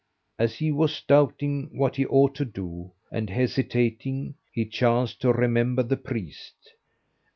As he was doubting what he ought to do, and hesitating, he chanced to remember the priest.